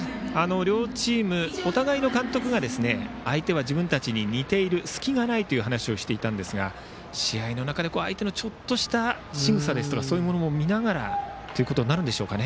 両チーム、お互いの監督が相手は自分たちに似ている隙がないという話をしていましたが試合の中で相手のちょっとしたしぐさですとかそういうものも見ながらとなるんでしょうね。